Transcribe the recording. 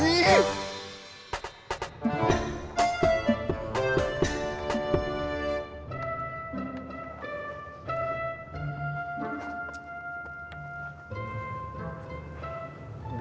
ih ya allah